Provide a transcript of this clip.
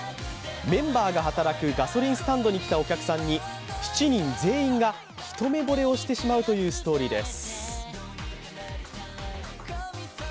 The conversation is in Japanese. メンバーが働くガソリンスタンドに来たお客さんに７人全員が一目ぼれをしてしまうというストーリーです。